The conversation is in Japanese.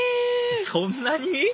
そんなに？